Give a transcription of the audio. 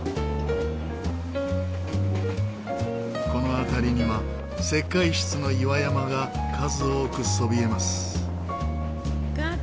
この辺りには石灰質の岩山が数多くそびえます。